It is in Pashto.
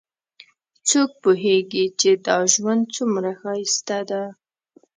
څوک پوهیږي چې دا ژوند څومره ښایسته ده